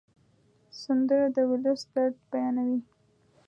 سندره د ولس درد بیانوي